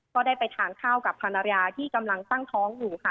ก็ได้ไปทานข้าวกับภรรยาที่กำลังตั้งท้องอยู่ค่ะ